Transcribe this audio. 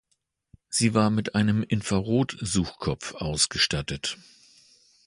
Sie war mit einem Infrarotsuchkopf ausgestattet.